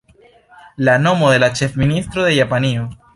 La nomo de la ĉefministro de Japanio.